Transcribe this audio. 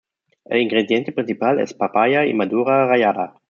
El ingrediente principal es papaya inmadura rallada.